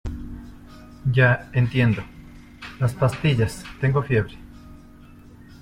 ya, entiendo. las pastillas , tengo fiebre ...